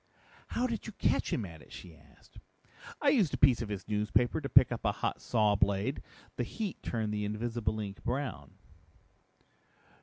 "How did you catch him at it?" she asked. "I used a piece of his newspaper to pick up a hot saw blade. The heat turned the invisible ink brown."